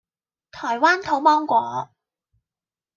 台灣土芒果